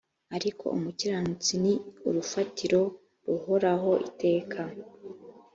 ariko umukiranutsi ni urufatiro ruhoraho iteka